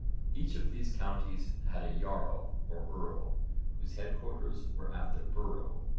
Each of these counties had a jarl or earl, whose headquarters were at the 'borough.'